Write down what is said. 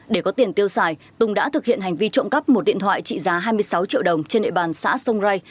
để có tiền tiêu xài tùng đã thực hiện hành vi trộm cấp một điện thoại trị giá hai mươi sáu triệu đồng trên nội bàn xã sông rây